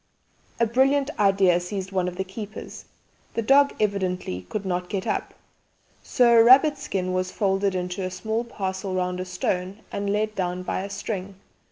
A brilliant idea seized one of the keepers. The dog evidently could not get up, so a rabbit skin was folded into a small parcel round a stone and let down by a string.